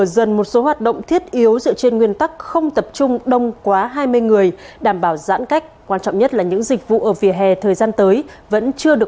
xin chào và hẹn gặp lại trong các bản tin tiếp theo